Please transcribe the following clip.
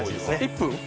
１分？